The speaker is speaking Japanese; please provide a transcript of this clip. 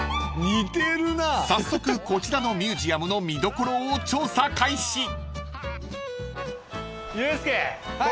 ［早速こちらのミュージアムの見どころを調査開始］